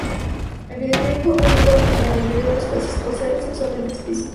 El videoclip fue prohibido en la mayoría de los países por ser sexualmente explícito.